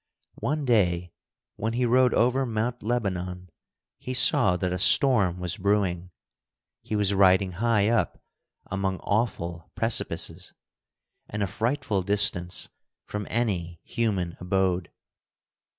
One day, when he rode over Mount Lebanon, he saw that a storm was brewing. He was riding high up among awful precipices, and a frightful distance from any human abode.